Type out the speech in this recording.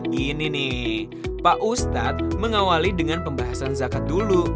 gini nih pak ustadz mengawali dengan pembahasan zakat dulu